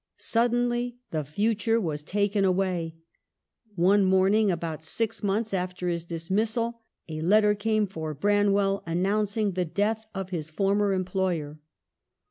Suddenly the future was taken away. One morning, about six months after his dismissal, a letter came for Branwell announcing the death of his former employer.